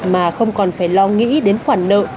mà không còn phải lo nghĩ đến khoản nợ